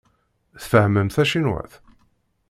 Tfehhmem tacinwat?